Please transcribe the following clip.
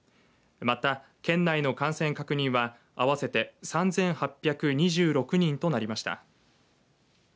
また、県内の感染確認は合わせて３８２６人となりました。